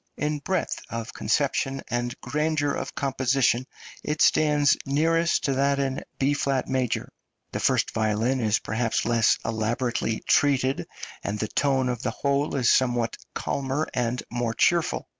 In breadth of conception and grandeur of composition, it stands nearest to that in B flat major; the first violin is perhaps less elaborately treated, and the tone of the whole is somewhat calmer and more cheerful.